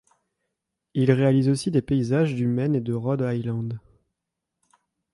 Il réalise aussi des paysages du Maine et de Rhode Island.